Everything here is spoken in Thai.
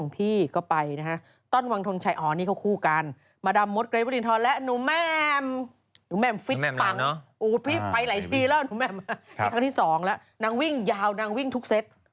พี่ไปหลายทีแล้วทั้งที่๒แล้วนางวิ่งยาวนางวิ่งทุกเซต